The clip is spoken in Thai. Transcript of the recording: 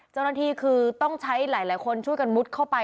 เจ้าหน้าที่คือต้องใช้หลายคนช่วยกันมุดเข้าไป